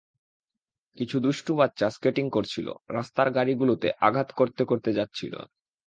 কিছু দুষ্টু বাচ্চা স্কেটিং করছিল, রাস্তার গাড়িগুলোতে আঘাত করতে করতে যাচ্ছিল।